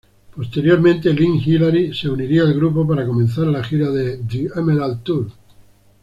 Posteriormente Lynn Hilary se uniría al grupo para comenzar la gira "The Emerald Tour".